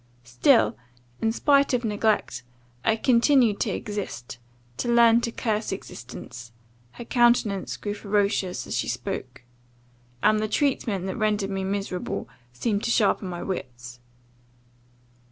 Still, in spite of neglect, I continued to exist, to learn to curse existence, [her countenance grew ferocious as she spoke,] and the treatment that rendered me miserable, seemed to sharpen my wits.